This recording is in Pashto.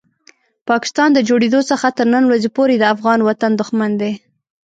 پاکستان د جوړېدو څخه تر نن ورځې پورې د افغان وطن دښمن دی.